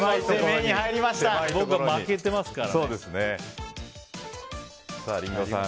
僕は負けてますからね。